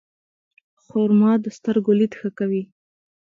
خرما د سترګو لید ښه کوي.